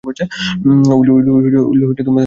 Will, তাকাও এদিকে।